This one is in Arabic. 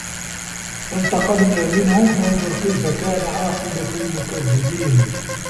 فَانتَقَمنا مِنهُم فَانظُر كَيفَ كانَ عاقِبَةُ المُكَذِّبينَ